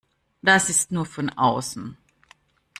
Das ist nur von außen.